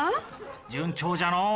順調じゃのう。